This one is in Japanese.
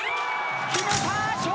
決めた！笑